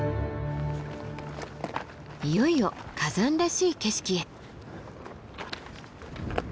いよいよ火山らしい景色へ。